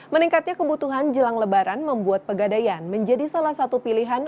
meningkatnya kebutuhan jelang lebaran membuat pegadaian menjadi salah satu pilihan